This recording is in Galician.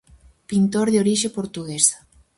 Pintor de orixe portuguesa.